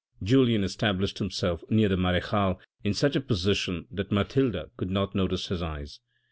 Julien established himself near the marechale in such a posi tion that Mathilde could not notice his eyes.